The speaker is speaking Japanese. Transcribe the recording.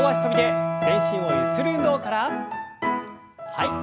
はい。